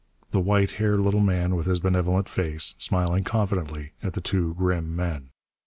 The white haired little man with his benevolent face, smiling confidently at the two grim men.